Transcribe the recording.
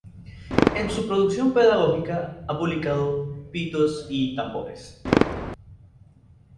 En su producción pedagógica ha publicado "Pitos y Tambores.